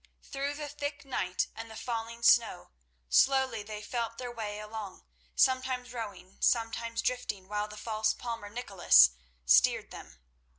Through the thick night and the falling snow slowly they felt their way along, sometimes rowing, sometimes drifting, while the false palmer Nicholas steered them.